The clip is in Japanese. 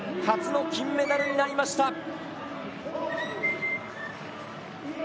初の金メダルになりました。